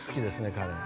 彼は。